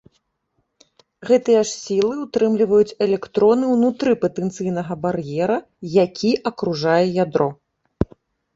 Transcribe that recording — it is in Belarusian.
Гэтыя ж сілы ўтрымліваюць электроны ўнутры патэнцыйнага бар'ера, якое акружае ядро.